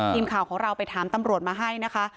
ทีมข่าวไปถามตำรวจมาให้นะคะ